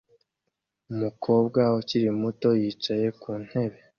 Umukobwa ukiri muto yicaye ku ntebe